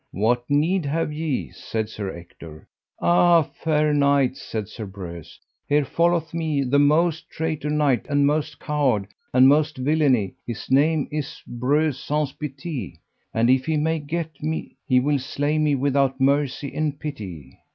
What need have ye? said Sir Ector. Ah, fair knights, said Sir Breuse, here followeth me the most traitor knight, and most coward, and most of villainy; his name is Breuse Saunce Pité, and if he may get me he will slay me without mercy and pity.